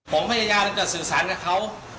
ผมพยายามจะสื่อสารกับเขา